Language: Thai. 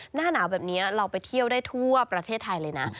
หน้าหนาวแบบนี้เราไปเที่ยวได้ทั่วประเทศไทยเลยนะ